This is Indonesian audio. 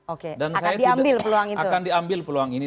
oke akan diambil peluang itu